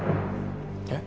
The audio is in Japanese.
えっ？